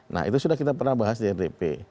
nah itu sudah kita pernah bahas di rdp